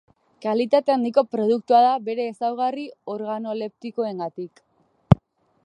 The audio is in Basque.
Kalitate handiko produktua da bere ezaugarri organoleptikoengatik.